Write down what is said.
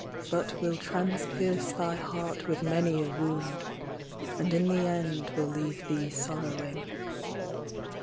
But will transpierce thy heart with many a wound, And in the end will leave thee sorrowing."